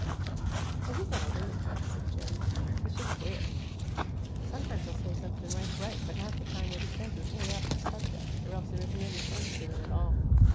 "Oh, he's not a lunatic," said Jim. "He's just queer. Sometimes he'll say something right bright, but half the time what he says is 'way off the subject, or else there isn't any sense to it at all.